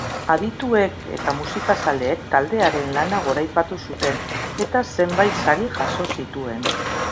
Adituek eta musikazaleek taldearen lana goraipatu zuten, eta zenbait sari jaso zituen.